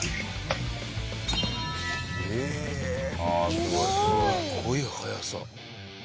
すごい速さ。